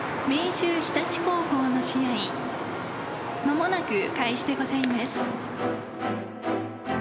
秀日立高校の試合間もなく開始でございます」。